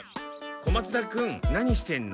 小松田君何してんの？